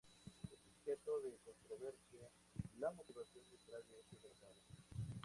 Es objeto de controversia la motivación detrás de este tratado.